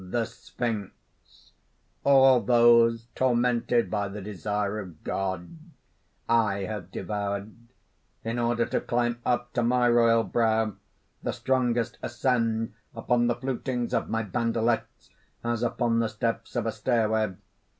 THE SPHINX. "All those tormented by the desire of God, I have devoured. "In order to climb up to my royal brow, the strongest ascend upon the flutings of my bandelets as upon the steps of a stairway.